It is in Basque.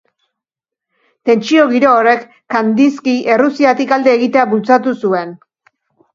Tentsio giro horrek, Kandinski Errusiatik alde egitea bultzatu zuen.